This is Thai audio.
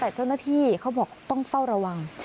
แต่เจ้าหน้าที่เขาบอกต้องเฝ้าระวัง